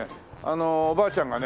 おばあちゃんがね